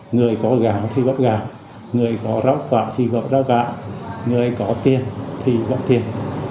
người có gạo thì góp gạo người có rau quả thì góp rau gạo người có tiền thì góp tiền